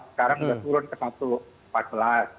sekarang sudah turun ke satu empat belas